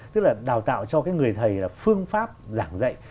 tức là đào tạo cho cái người thầy là phương pháp giảng dạy